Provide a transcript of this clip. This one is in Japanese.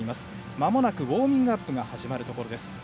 まもなくウォーミングアップが始まります。